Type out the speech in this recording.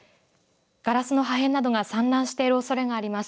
ガラスの破片などが散乱しているおそれがあります。